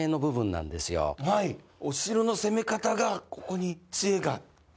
お城の攻め方がここに知恵が書いてある。